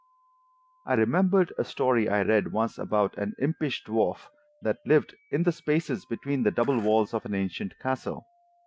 I remembered a story I read once about an impish dwarf that lived in the spaces between the double walls of an ancient castle.